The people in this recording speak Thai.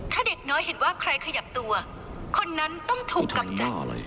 ถ้าเด็กน้อยเห็นว่าใครขยับตัวคนนั้นต้องถูกกำจัด